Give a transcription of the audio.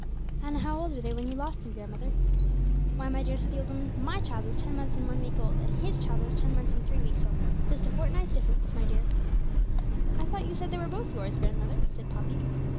'And how old were they when you lost them, grandmother?' 'Why, my dear,' said the old woman, 'my child was ten months and one week old, and his child was ten months and three weeks old just a fortnight's difference, my dear.' 'I thought you said they were both yours, grandmother,' said Poppy.